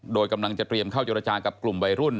โดยกำลังจะเตรียมเข้าเจรจากับกลุ่มวัยรุ่น